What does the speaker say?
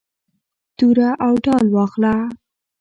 توره او ډال واخله.